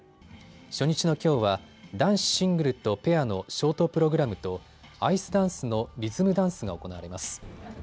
初日のきょうは男子シングルとペアのショートプログラムとアイスダンスのリズムダンスが行われます。